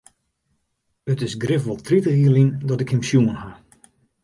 It is grif wol tritich jier lyn dat ik him sjoen ha.